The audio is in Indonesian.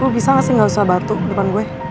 lo bisa gak sih gak usah batu depan gue